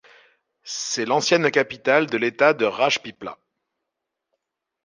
C'est l'ancienne capitale de l'État de Rajpipla.